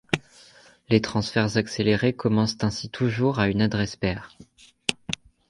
Les transferts accélérés commencent ainsi toujours à une adresse paire.